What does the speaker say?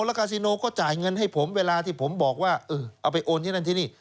แล้วคาซิโนก็จ่ายเงินให้ผมเวลาที่ผมบอกว่าเออเอาไปโอนที่นั่นที่นี่